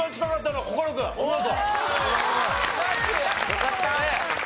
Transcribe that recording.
よかった！